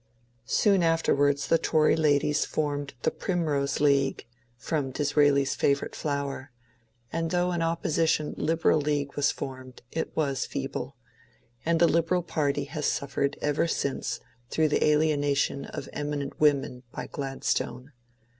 " Soon afterwards the Tory ladies formed the ''Primrose LORD PALMERSTON 79 League," — from Disraeli's favourite flower, — and though an opposition ^^ Liberal League " was formed, it was feeble ; and the Liberal party has suffered ever since through the alienation of eminent women by Gladstone.